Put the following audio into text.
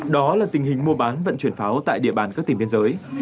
đó là tình hình mua bán vận chuyển pháo tại địa bàn các tỉnh biên giới